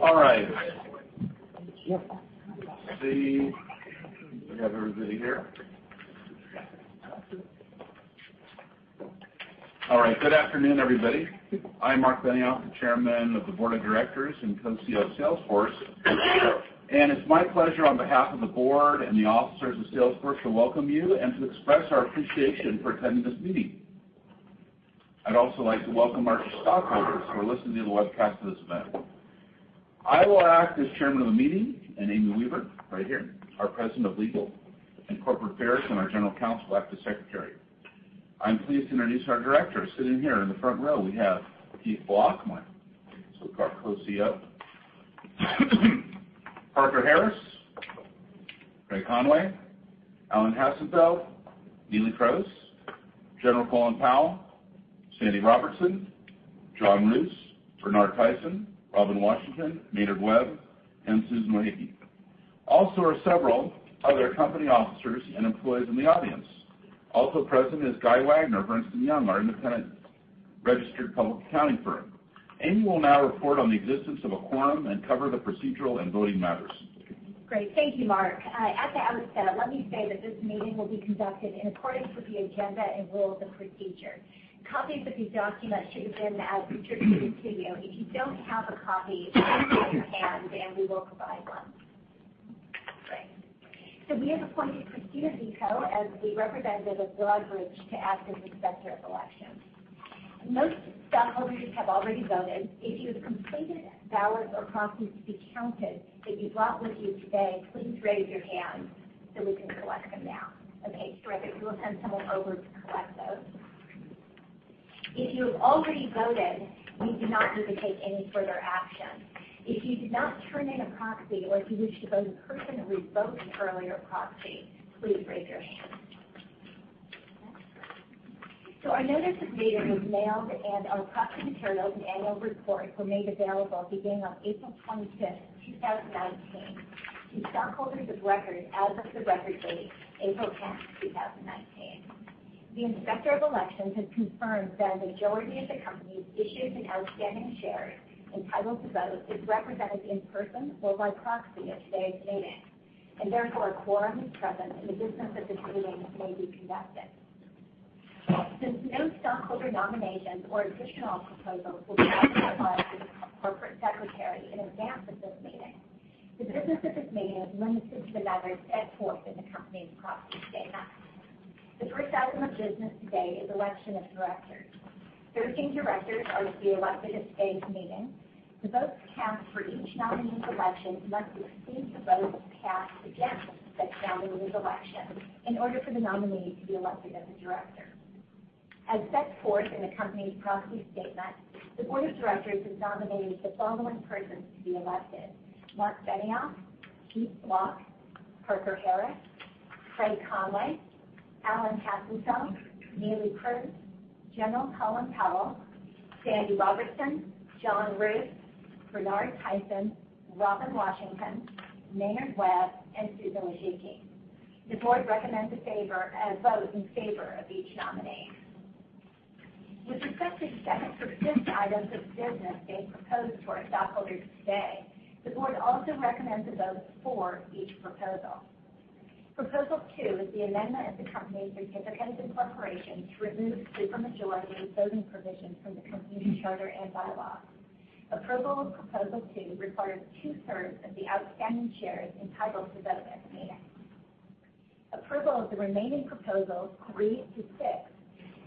All right. Let's see. We have everybody here? All right. Good afternoon, everybody. I'm Marc Benioff, the Chairman of the Board of Directors and Co-CEO of Salesforce. It's my pleasure, on behalf of the board and the officers of Salesforce, to welcome you and to express our appreciation for attending this meeting. I'd also like to welcome our stockholders who are listening to the webcast of this event. I will act as chairman of the meeting, and Amy Weaver, right here, our President of Legal and Corporate Affairs and our General Counsel, will act as secretary. I'm pleased to introduce our directors. Sitting here in the front row, we have Keith Block, my Co-CEO, Parker Harris, Craig Conway, Alan Hassenfeld, Neelie Kroes, General Colin Powell, Sandy Robertson, John Roos, Bernard Tyson, Robin Washington, Maynard Webb, and Susan Wojcicki. Also are several other company officers and employees in the audience. Also present is Guy Wanger of Ernst & Young, our independent registered public accounting firm. Amy will now report on the existence of a quorum and cover the procedural and voting matters. Great. Thank you, Marc. As Alex said, let me say that this meeting will be conducted in accordance with the agenda and rules of procedure. Copies of these documents should have been distributed to you. If you don't have a copy, raise your hand and we will provide one. Great. We have appointed [Christina Zeko] as the representative of Broadridge to act as Inspector of Elections. Most stockholders have already voted. If you have completed ballots or proxies to be counted that you brought with you today, please raise your hand so we can collect them now. Okay, terrific. We will send someone over to collect those. If you have already voted, you do not need to take any further action. If you did not turn in a proxy or if you wish to vote in person and revoke an earlier proxy, please raise your hand. Our notice of meeting was mailed, and our proxy materials and annual report were made available beginning on April 25th, 2019, to stockholders of record as of the record date, April 10th, 2019. The Inspector of Elections has confirmed that a majority of the company's issued and outstanding shares entitled to vote is represented in person or by proxy at today's meeting, and therefore a quorum is present, and the business of this meeting may be conducted. Since no stockholder nominations or additional proposals were filed with the corporate secretary in advance of this meeting, the business of this meeting is limited to the matters set forth in the company's proxy statement. The first item of business today is election of directors. 13 directors are to be elected at today's meeting. The votes cast for each nominee's election must exceed the votes cast against that nominee's election in order for the nominee to be elected as a director. As set forth in the company's proxy statement, the board of directors has nominated the following persons to be elected: Marc Benioff, Keith Block, Parker Harris, Craig Conway, Alan Hassenfeld, Neelie Kroes, General Colin Powell, Sandy Robertson, John Roos, Bernard Tyson, Robin Washington, Maynard Webb, and Susan Wojcicki. The board recommends a vote in favor of each nominee. With respect to seven proposed items of business being proposed to our stockholders today, the board also recommends a vote for each proposal. Proposal two is the amendment of the company's certificate of incorporation to remove supermajority voting provisions from the company's charter and bylaws. Approval of proposal two requires two-thirds of the outstanding shares entitled to vote at the meeting. Approval of the remaining proposals, three to six,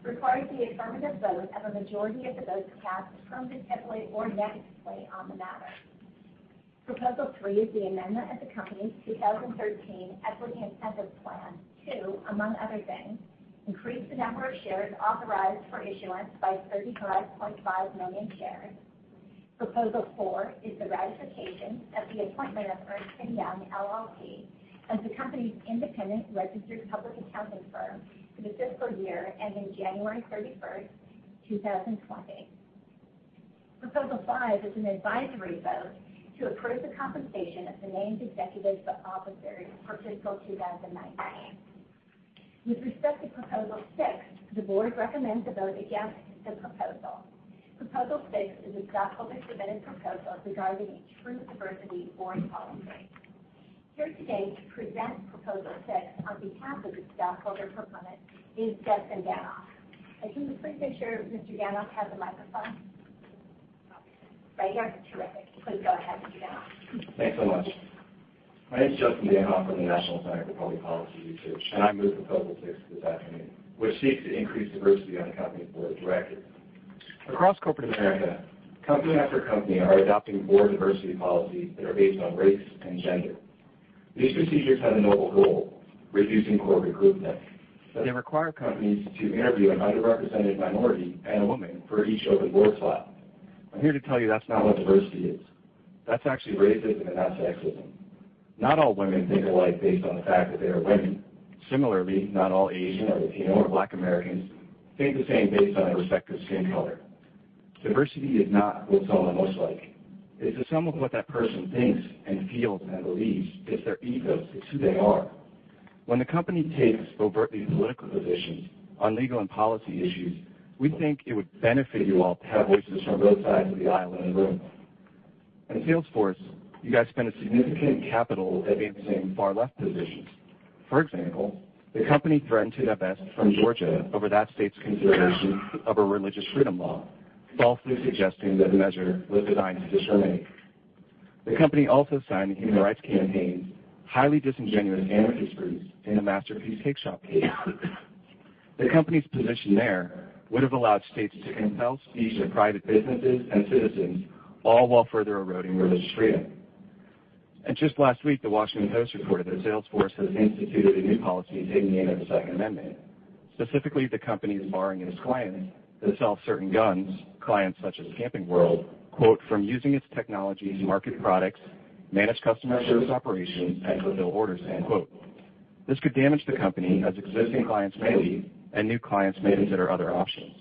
requires the affirmative vote of a majority of the votes cast, affirmatively or negatively, on the matter. Proposal three is the amendment of the company's 2013 Equity Incentive Plan to, among other things, increase the number of shares authorized for issuance by 35.5 million shares. Proposal four is the ratification of the appointment of Ernst & Young LLP as the company's independent registered public accounting firm for the fiscal year ending January 31st, 2020. Proposal five is an advisory vote to approve the compensation of the named executive officers for fiscal 2019. With respect to proposal six, the board recommends a vote against the proposal. Proposal six is a stockholder-submitted proposal regarding a true diversity board policy. Here today to present proposal six on behalf of the stockholder proponent is Justin Danhof. If you could please make sure Mr. Danhof has a microphone. Right here? Terrific. Please go ahead, Mr. Danhof. Thanks so much. My name is Justin Danhof from the National Center for Public Policy Research, and I'm here with Proposal Six this afternoon, which seeks to increase diversity on the company's board of directors. Across corporate America, company after company are adopting board diversity policies that are based on race and gender. These procedures have a noble goal, reducing corporate groupthink. They require companies to interview an underrepresented minority and a woman for each open board slot. I'm here to tell you that's not what diversity is. That's actually racism and that's sexism. Not all women think alike based on the fact that they are women. Similarly, not all Asian or Latino or Black Americans think the same based on their respective skin color. Diversity is not what someone looks like. It's a sum of what that person thinks and feels and believes. It's their ethos. It's who they are. When the company takes overtly political positions on legal and policy issues, we think it would benefit you all to have voices from both sides of the aisle in the room. At Salesforce, you guys spend a significant capital taking the same far-left positions. For example, the company threatened to divest from Georgia over that state's consideration of a religious freedom law, falsely suggesting the measure was designed to discriminate. The company also signed the Human Rights Campaign's highly disingenuous amicus briefs in the Masterpiece Cakeshop case. The company's position there would've allowed states to compel speech of private businesses and citizens, all while further eroding religious freedom. Just last week, The Washington Post reported that Salesforce has instituted a new policy taking aim at the Second Amendment, specifically the company's barring its clients that sell certain guns, clients such as Camping World, quote, "From using its technologies to market products, manage customer service operations, and fulfill orders." End quote. This could damage the company as existing clients may leave, and new clients may consider other options.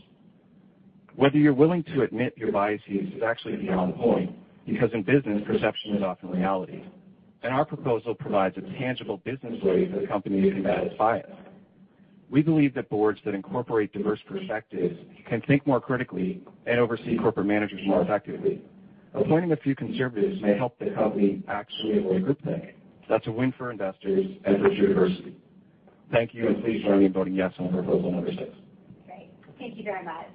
Whether you're willing to admit your biases is actually beyond the point, because in business, perception is often reality, and our proposal provides a tangible business way for the company to combat its bias. We believe that boards that incorporate diverse perspectives can think more critically and oversee corporate managers more effectively. Appointing a few conservatives may help the company actually avoid groupthink. That's a win for investors and for diversity. Thank you. Please join me in voting yes on proposal number six. Great. Thank you very much.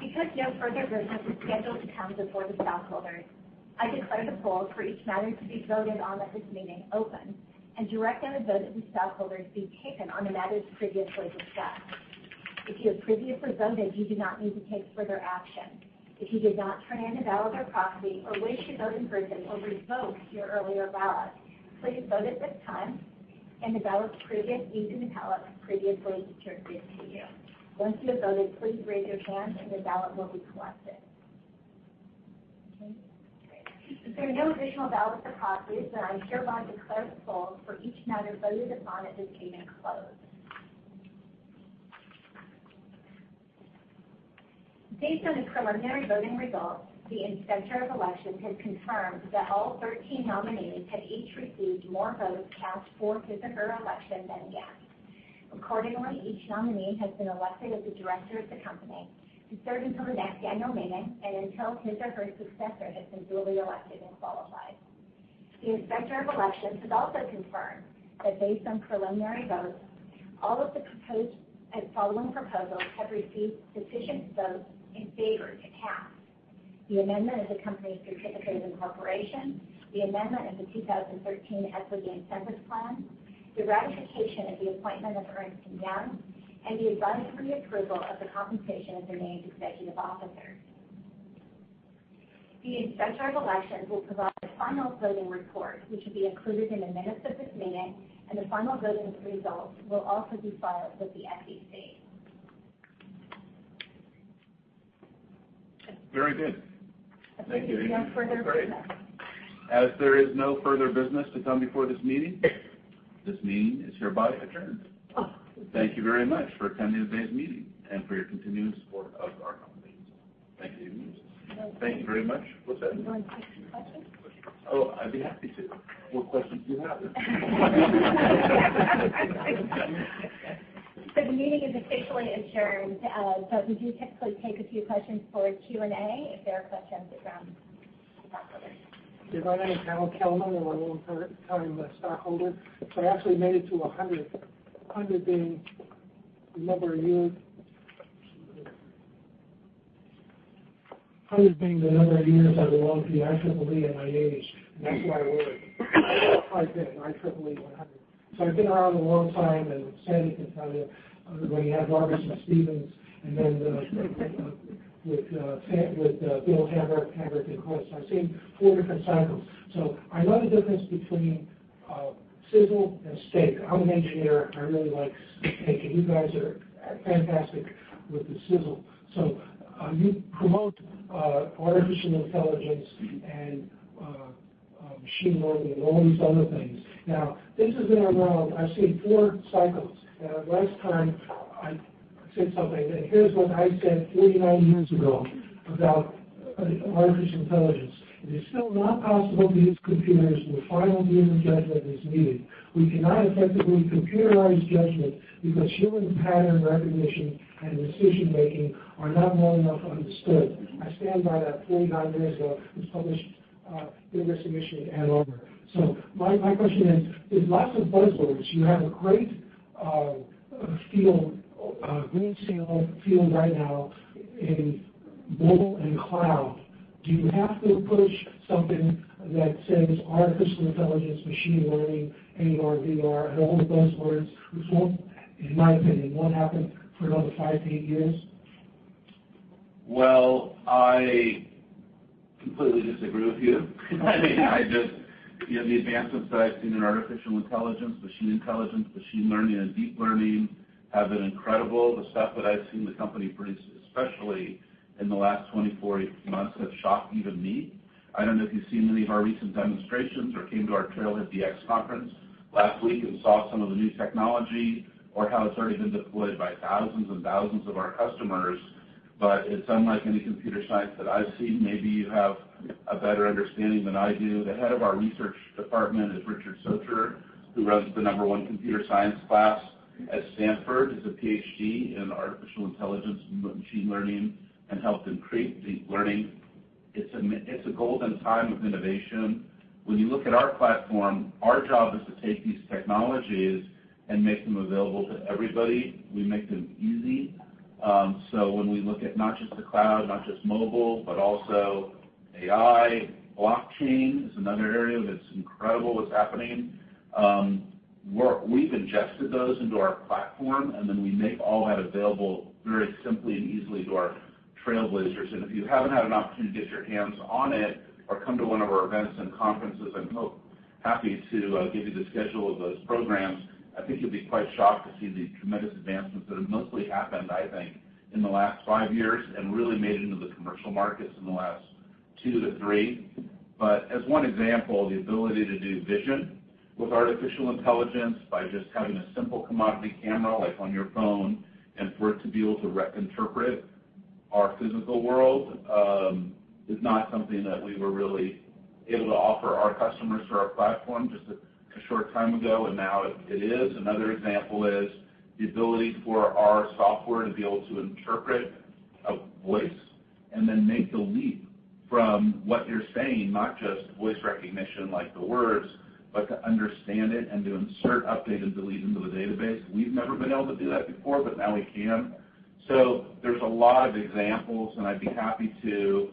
Because no further business is scheduled to come before the stockholders, I declare the polls for each matter to be voted on at this meeting open and direct that a vote of the stockholders be taken on the matters previously discussed. If you have previously voted, you do not need to take further action. If you did not turn in a ballot or proxy, or wish to vote in person or revoke your earlier ballot, please vote at this time and the ballot previously distributed to you. Once you have voted, please raise your hand and the ballot will be collected. Okay. If there are no additional ballots or proxies, I hereby declare the polls for each matter voted upon at this meeting closed. Based on the preliminary voting results, the Inspector of Elections has confirmed that all 13 nominees have each received more votes cast for his or her election than against. Accordingly, each nominee has been elected as a director of the company to serve until the next annual meeting and until his or her successor has been duly elected and qualified. The Inspector of Elections has also confirmed that based on preliminary votes, all of the proposed following proposals have received sufficient votes in favor to pass. The amendment of the company's Certificate of Incorporation, the amendment of the 2013 Equity Incentive Plan, the ratification of the appointment of Ernst & Young, and the advisory approval of the compensation of their named executive officers. The Inspector of Elections will provide a final voting report, which will be included in the minutes of this meeting. The final voting results will also be filed with the SEC. Very good. Thank you. If no further business. That's great. As there is no further business to come before this meeting, this meeting is hereby adjourned. Thank you very much for attending today's meeting and for your continued support of our company. Thank you. Thank you very much. What's that? You want to take some questions? Oh, I'd be happy to. What questions do you have? The meeting is officially adjourned, we do typically take a few questions for Q&A, if there are questions from stockholders. My name is Harold Kellerman, a long-term stockholder. I actually made it to 100 being the number of years I belonged to the IEEE at my age, and that's why I wore it. I wore a pipe pin, IEEE 100. I've been around a long time, and Sandy can tell you when he had Robertson Stephens, and with Bill Hambrecht in course. I've seen four different cycles. I know the difference between sizzle and steak. I'm an engineer. I really like steak, and you guys are fantastic with the sizzle. You promote artificial intelligence and machine learning and all these other things. This has been around I've seen four cycles. Last time I said something, and here's what I said 49 years ago about artificial intelligence. "It is still not possible to use computers where final human judgment is needed. We cannot effectively computerize judgment because human pattern recognition and decision-making are not well enough understood." I stand by that. 49 years ago, it was published in this edition at Andover. My, my question is, there's lots of buzzwords. You have a great field, green field right now in mobile and cloud. Do you have to push something that says artificial intelligence, machine learning, AR, VR, and all of the buzzwords, which won't, in my opinion, won't happen for another five to eight years? Well, Completely disagree with you. The advancements that I've seen in artificial intelligence, machine intelligence, machine learning, and deep learning have been incredible. The stuff that I've seen the company produce, especially in the last 24 months, has shocked even me. I don't know if you've seen any of our recent demonstrations or came to our TrailheaDX conference last week and saw some of the new technology, or how it's already been deployed by thousands and thousands of our customers, but it's unlike any computer science that I've seen. Maybe you have a better understanding than I do. The head of our research department is Richard Socher, who runs the number one computer science class at Stanford. He's a PhD in artificial intelligence, machine learning, and helped him create deep learning. It's a golden time of innovation. When you look at our platform, our job is to take these technologies and make them available to everybody. We make them easy. When we look at not just the cloud, not just mobile, but also AI. blockchain is another area that's incredible what's happening. We've ingested those into our platform, and then we make all that available very simply and easily to our trailblazers. If you haven't had an opportunity to get your hands on it or come to one of our events and conferences, I'm happy to give you the schedule of those programs. I think you'll be quite shocked to see the tremendous advancements that have mostly happened, I think, in the last five years and really made it into the commercial markets in the last two to three. As one example, the ability to do vision with artificial intelligence by just having a simple commodity camera, like on your phone, and for it to be able to interpret our physical world, is not something that we were really able to offer our customers through our platform just a short time ago, and now it is. Another example is the ability for our software to be able to interpret a voice and then make the leap from what you're saying, not just voice recognition, like the words, but to understand it and to insert, update, and delete into the database. We've never been able to do that before, but now we can. There's a lot of examples, and I'd be happy to,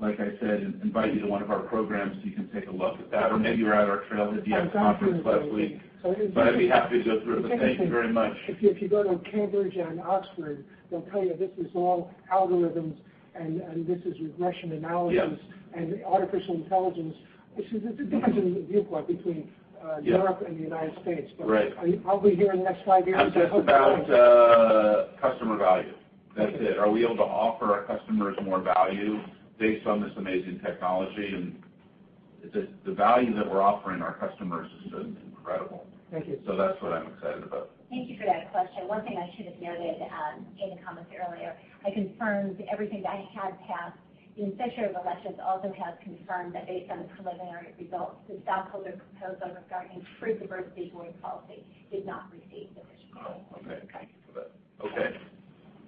like I said, invite you to one of our programs so you can take a look at that. Maybe you were at our TrailheaDX conference last week. I'm confident about it. I'd be happy to go through it, but thank you very much. If you go to Cambridge and Oxford, they'll tell you this is all algorithms, and this is regression analysis. Yeah Artificial intelligence. It depends on your viewpoint between Europe and the United States. Right. I'll be here in the next five years, and I hope. I'm just about customer value. That's it. Are we able to offer our customers more value based on this amazing technology? The value that we're offering our customers is just incredible. Thank you. That's what I'm excited about. Thank you for that question. One thing I should have noted in the comments earlier, I confirmed everything that I had passed, the Inspector of Elections also has confirmed that based on the preliminary results, the stockholder proposal regarding improved diversity board policy did not receive the required- Oh, okay. Thank you for that. Okay.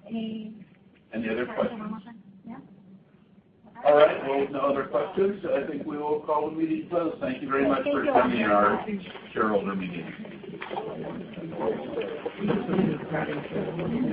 Any- Any other questions? Sorry, say one more time. Yeah? All right. Well, if no other questions, I think we will call the meeting closed. Thank you very much for attending our- Thank you everyone. Bye shareholder meeting